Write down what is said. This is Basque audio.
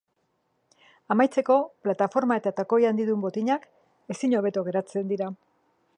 Amaitzeko, plataforma eta takoi handidun botinak ezin hobeto geratzen dira.